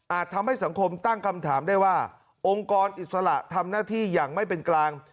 ทำให้สังคมตั้งคำถามได้ว่าองค์กรอิสระทำหน้าที่อย่างไม่เป็นกลาง